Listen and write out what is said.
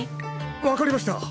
わかりました。